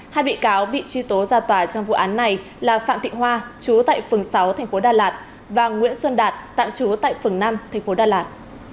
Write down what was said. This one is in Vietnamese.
hai bị cáo bị truy tố ra tòa trong vụ án này là phạm thị hoa chú tại phường sáu tp đà lạt và nguyễn xuân đạt tạm trú tại phường năm tp đà lạt